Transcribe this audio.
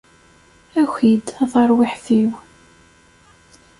Aki-d, a tarwiḥt-iw!